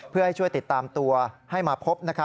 เพื่อให้ช่วยติดตามตัวให้มาพบ